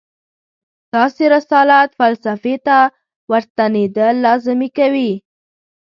داسې رسالت فلسفې ته ورستنېدل لازمي کوي.